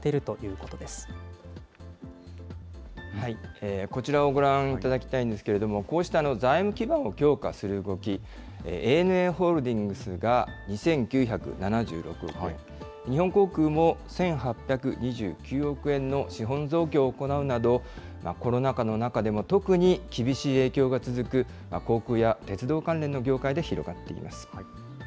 こちらをご覧いただきたいんですけれども、こうした財務基盤を強化する動き、ＡＮＡホールディングスが２９７６億円、日本航空も１８２９億円の資本増強を行うなど、コロナ禍の中でも特に厳しい影響が続く、航空や鉄道関連の業界で広がっています。